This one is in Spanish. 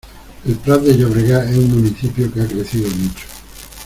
El Prat de Llobregat es un municipio que ha crecido mucho.